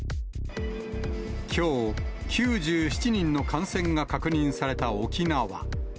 きょう、９７人の感染が確認された沖縄。